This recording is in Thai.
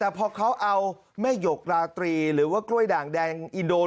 แต่พอเขาเอาแม่หยกราตรีหรือว่ากล้วยด่างแดงอินโดน